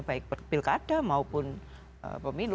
baik pilkada maupun pemilu